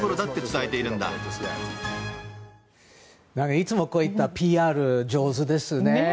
いつもこういったＰＲが上手ですね。